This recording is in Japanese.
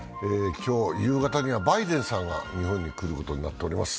今日、夕方にはバイデンさんが日本に来ることになっています。